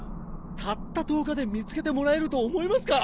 たった１０日で見つけてもらえると思いますか！？